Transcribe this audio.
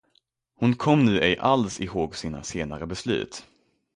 Hon kom nu ej alls ihåg sina senare beslut.